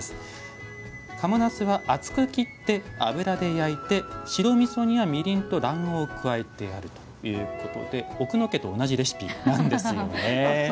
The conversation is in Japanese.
賀茂なすは厚く切って油で焼いて白みそには、みりんと卵黄を加えてあるということで奥野家と同じレシピなんですよね。